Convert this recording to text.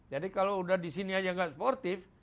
jadi kalau udah disini aja enggak sportif